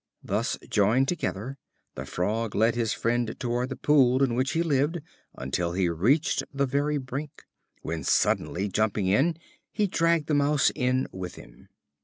Thus joined together, the Frog led his friend toward the pool in which he lived, until he reached the very brink, when suddenly jumping in, he dragged the Mouse in with him.